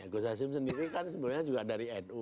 ghosasim sendiri kan sebenarnya juga dari nu